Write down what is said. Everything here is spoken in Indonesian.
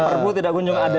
perpu tidak kunjung ada